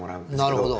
なるほど。